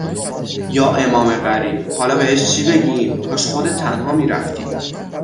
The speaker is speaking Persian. یا امام غریب! حالا بهش چی بگیم؟ کاش خودت تنها میرفتی!